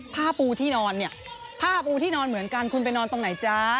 ผ้าปูที่นอนเนี่ยผ้าปูที่นอนเหมือนกันคุณไปนอนตรงไหนจ๊ะ